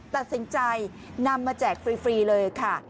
ตัดสินใจนำมาแจกฟรีเลยค่ะ